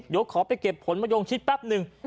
เดี๋ยวขอไปเก็บผลมะยงชิดแป๊บนึง